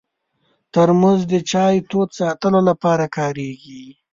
ترموز د چای تود ساتلو لپاره کارېږي.